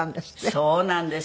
そうなんです。